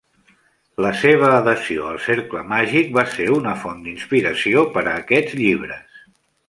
La seva adhesió al cercle màgic va ser una font d'inspiració per a aquests llibres.